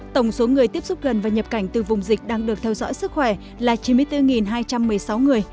tổng số người tiếp xúc gần và nhập cảnh từ vùng dịch đang được theo dõi sức khỏe là chín mươi bốn hai trăm một mươi sáu người